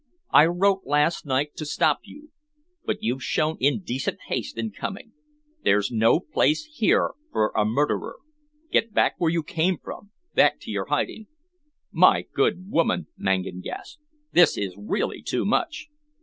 "I wrote last night to stop you, but you've shown indecent haste in coming. There's no place here for a murderer. Get back where you came from, back to your hiding." "My good woman!" Mangan gasped. "This is really too much!"